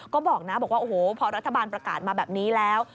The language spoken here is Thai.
ก็บอกนะพอรัฐบาลประกาศมาแบบนี้แล้ว